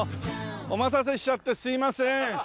お待たせしちゃってすみません。